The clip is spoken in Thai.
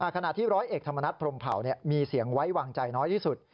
ขณะที่ร้อยเอกธรรมนัฐพรมเผามีเสียงไว้วางใจน้อยที่สุด